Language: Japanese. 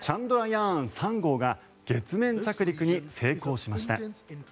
ヤーン３号が月面着陸に成功しました。